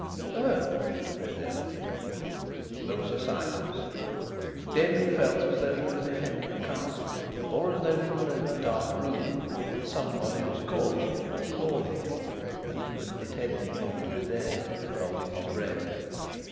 "Oh!" said Denry. There was a silence. Denry felt as though he were defending a castle, or as though he were in a dark room and somebody was calling him, calling him, and he was pretending not to be there and holding his breath.